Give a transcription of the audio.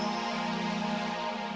rasanya bagus banget